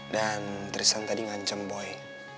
dan tristan tadi ngancem boy